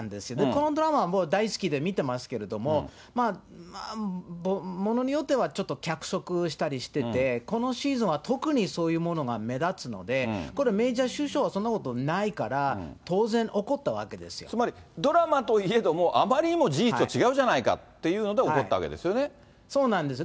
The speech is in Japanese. このドラマも大好きで見てますけれども、ものによっては、ちょっと脚色したりしてて、このシーズンは特にそういうものが目立つので、これ、メージャー首相、そんなことないから、当然、つまり、ドラマといえども、あまりにも事実と違うじゃないかっていうことで、怒ったわけですそうなんです。